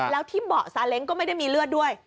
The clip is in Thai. แล้วที่เบาะซาเล้งก็ไม่ได้มีเลือดด้วย